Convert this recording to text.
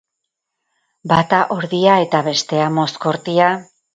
Bata hordia eta bestea mozkortia?